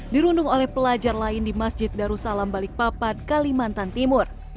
dirundung oleh pelajar lain di masjid darussalam balikpapan kalimantan timur